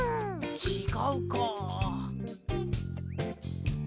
ちがうか。